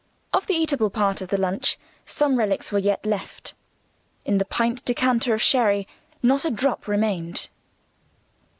Of the eatable part of the lunch some relics were yet left. In the pint decanter of sherry, not a drop remained.